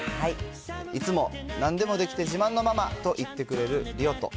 いつもなんでもできて自慢のママと言ってくれるリオト。